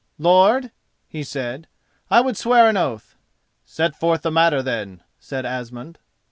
"Lord," he said, "I would swear an oath." "Set forth the matter, then," said Asmund.